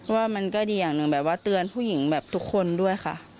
ว่ามันก็ดีอย่างหนึ่งแบบว่าเตือนผู้หญิงแบบทุกคนด้วยค่ะ